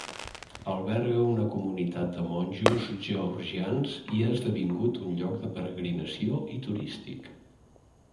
Alberga una comunitat de monjos georgians i ha esdevingut un lloc de peregrinació i turístic.